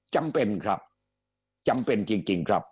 จำเป็นครับจำเป็นจริงครับ